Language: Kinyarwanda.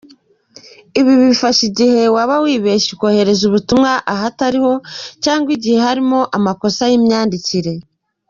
Ibi bifasha igihe wari wibeshye ukohereza ubutumwa ahatariho cyangwa igihe harimo amakosa y’imyandikire.